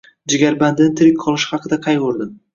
Jigarbandini tirik qolishi haqida qaygʻurdi